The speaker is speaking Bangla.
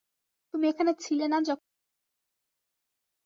তুমি এখানে ছিলে না যখন তার তোমাকে দরকার ছিল!